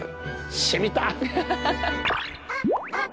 しみた！